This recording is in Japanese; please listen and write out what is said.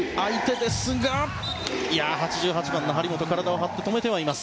８８番の張本体を張って止めてはいます。